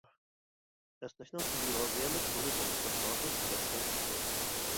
ئەسنەشنىڭ فىزىيولوگىيەلىك رولى توغرىسىدا ھازىرغىچە تالاش-تارتىش بار.